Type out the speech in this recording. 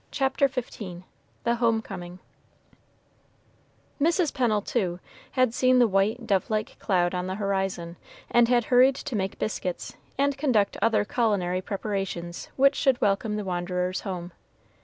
CHAPTER XV THE HOME COMING Mrs. Pennel, too, had seen the white, dove like cloud on the horizon, and had hurried to make biscuits, and conduct other culinary preparations which should welcome the wanderers home.